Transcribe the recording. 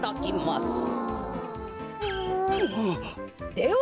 では。